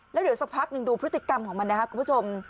แล้วเดี๋ยวสักพักหนึ่งดูพฤติกรรมของมันนะครับคุณผู้ชม